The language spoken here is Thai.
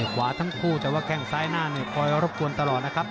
ขวาทั้งคู่แต่ว่าแข้งซ้ายหน้าเนี่ยคอยรบกวนตลอดนะครับ